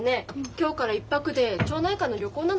今日から１泊で町内会の旅行なの。